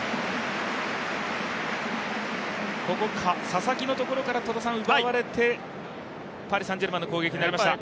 佐々木のところから奪われてパリ・サン＝ジェルマンの攻撃になりました。